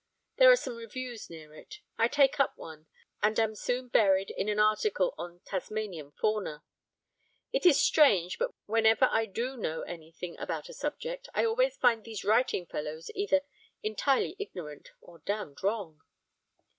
There are some reviews near it. I take up one, and am soon buried in an article on Tasmanian fauna. It is strange, but whenever I do know anything about a subject, I always find these writing fellows either entirely ignorant or damned wrong.